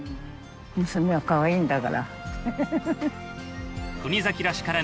娘はかわいいんだから。